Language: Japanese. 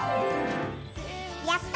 やった！